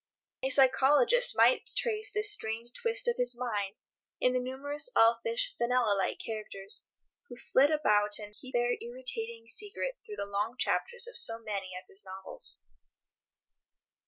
A psychologist might trace this strange twist of his mind in the numerous elfish Fenella like characters who flit about and keep their irritating secret through the long chapters of so many of his novels.